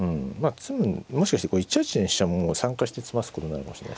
詰むもしかしてこれ１八の飛車も参加して詰ますことになるかもしれないですね。